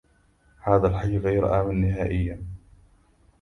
هذا الحي غير آمن نهائياً.